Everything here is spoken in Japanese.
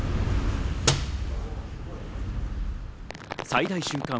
最大瞬間